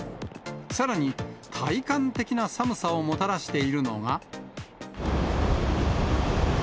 さらに、体感的な寒さをもたらしているのが。